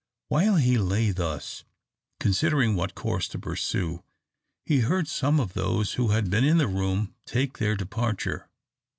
While he lay thus, considering what course to pursue, he heard some of those who had been in the room take their departure.